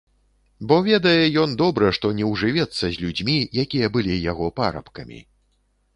Бо ведае ён добра, што не ўжывецца з людзьмі, якія былі яго парабкамі.